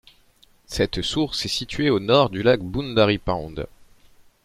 Cette source est situé au nord du Lac Boundary Pond.